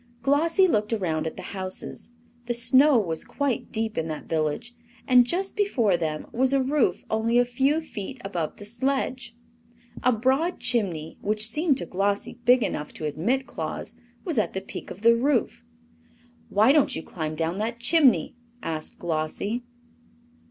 Glossie looked around at the houses. The snow was quite deep in that village, and just before them was a roof only a few feet above the sledge. A broad chimney, which seemed to Glossie big enough to admit Claus, was at the peak of the roof. "Why don't you climb down that chimney?" asked Glossie.